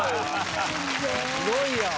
すごいやん！